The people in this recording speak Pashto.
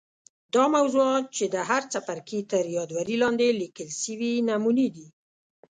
دا موضوعات چې د هر څپرکي تر یادوري لاندي لیکل سوي نمونې دي.